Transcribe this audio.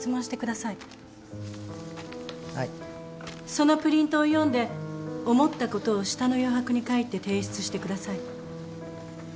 そのプリントを読んで思ったことを下の余白に書いて提出してください。